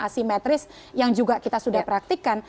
asimetris yang juga kita sudah praktikan